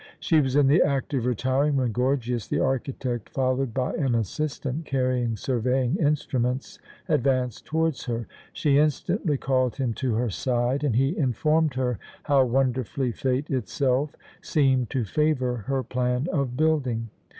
She was in the act of retiring, when Gorgias, the architect, followed by an assistant carrying surveying instruments, advanced towards her. She instantly called him to her side, and he informed her how wonderfully Fate itself seemed to favour her plan of building.